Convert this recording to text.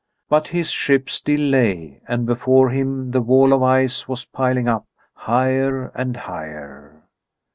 But his ship lay still, and before him the wall of ice was piling up higher and higher.